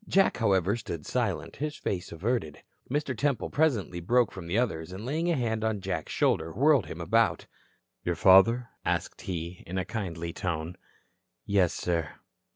Jack, however, stood silent, his face averted. Mr. Temple presently broke from the others and laying a hand on Jack's shoulder whirled him about. "Father?" asked he, in a kindly tone. "Yes, sir."